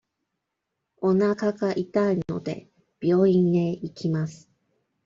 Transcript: おなかが痛いので、病院へ行きます。